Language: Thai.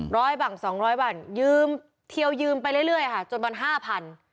บังสองร้อยบ้างยืมเทียวยืมไปเรื่อยค่ะจนวันห้าพัน